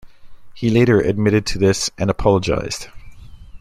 He later admitted to this and apologised.